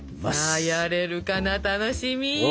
さあやれるかな楽しみ！